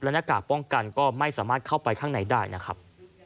หน้ากากป้องกันก็ไม่สามารถเข้าไปข้างในได้นะครับ